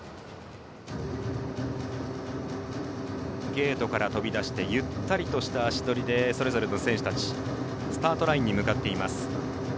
ゲートから飛び出してゆったりとした足取りでそれぞれの選手たちスタートラインに向かっています。